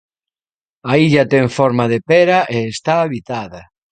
A illa ten forma de pera e está habitada.